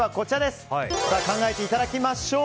考えていただきましょう。